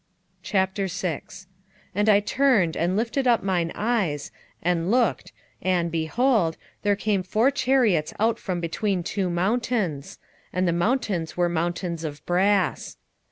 6:1 And I turned, and lifted up mine eyes, and looked, and, behold, there came four chariots out from between two mountains; and the mountains were mountains of brass.